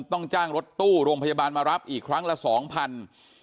ต้องจ้างรถตู้โรงพยาบาลมารับอีกครั้งละสองพัน